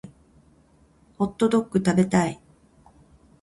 ホットドック食べたい